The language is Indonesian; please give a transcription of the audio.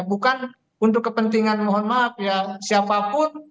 bukan untuk kepentingan mohon maaf ya siapapun